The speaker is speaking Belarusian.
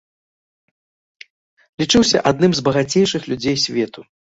Лічыўся адным з багацейшых людзей свету.